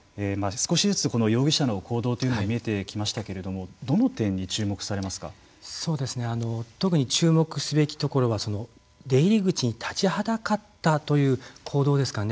少しずつ容疑者の行動というのが見えてきましたけれども特に注目すべきところは出入り口に立ちはだかったという行動ですかね。